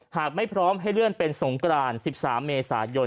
หากไม่พร้อมให้เลื่อนเป็นสงกราน๑๓เมษายน